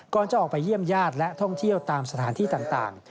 จะออกไปเยี่ยมญาติและท่องเที่ยวตามสถานที่ต่าง